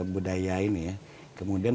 budaya ini ya kemudian